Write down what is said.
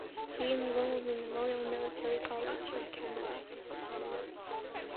He enrolled in the Royal Military College of Canada.